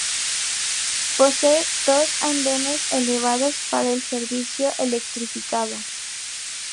Posee dos andenes elevados para el servicio electrificado.